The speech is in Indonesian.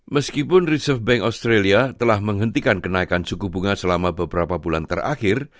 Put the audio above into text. meskipun reserve bank australia telah menghentikan kenaikan suku bunga selama beberapa bulan terakhir